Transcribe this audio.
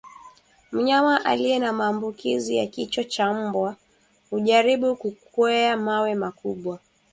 Mnyama aliye na maambukizi ya kichaa cha mbwa hujaribu kukwea mawe makubwa